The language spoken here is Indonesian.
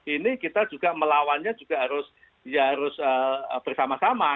ini kita juga melawannya juga harus bersama sama